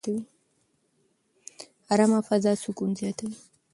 ارامه فضا سکون زیاتوي.